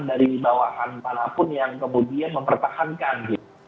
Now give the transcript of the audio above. dari bawahan manapun yang kemudian mempertahankan